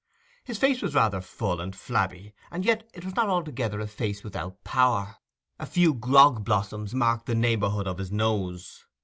His face was rather full and flabby, and yet it was not altogether a face without power. A few grog blossoms marked the neighbourhood of his nose.